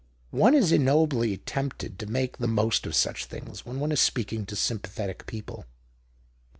One is ignobly tempted to make the most of such things when one is speaking to sympathetic people."